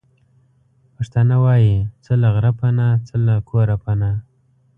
پښتانه وايې:څه له غره پنا، څه له کوره پنا.